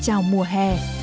chào mùa hè